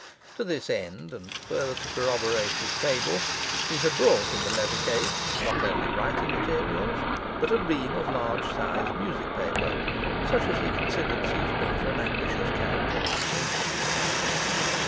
To this end, and further to corroborate his fable, he had brought in the leather case not only writing materials, but a ream of large size music paper, such as he considered suitable for an ambitious character like Jimson's.